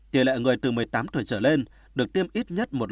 tỷ lệ người từ một mươi tám tuổi trở lên được tiêm ít nhất một